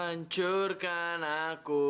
kau hancurkan aku